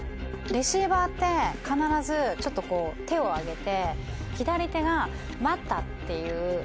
レシーバーって、必ずちょっとこう、手を上げて左手が、待ったっていう